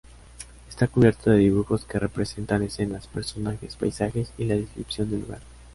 Está cubierto de dibujos que representan escenas, personajes, paisajes y la descripción del lugar.